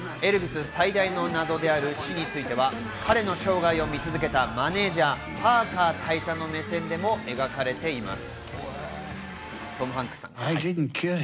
エルヴィス最大の謎である死については彼の生涯を見続けたマネージャー・パーカー大佐の目線でも描かれています。